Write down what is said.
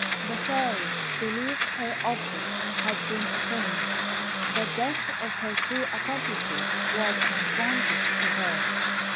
"The Fairy believed her object had been attained. The death of her two accomplices was an advantage to her.